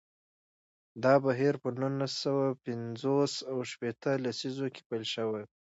دا بهیر په نولس سوه پنځوس او شپیته لسیزو کې پیل شو.